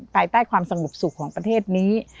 ภายใต้ความสงบสุขของประเทศนี้